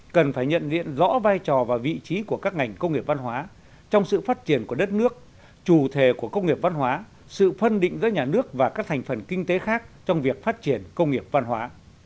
cần phải nhận diện rõ vai trò và vị trí của các ngành công nghiệp văn hóa trong sự phát triển của đất nước chủ thể của công nghiệp văn hóa sự phân định giữa nhà nước và các thành phần kinh tế khác trong việc phát triển công nghiệp văn hóa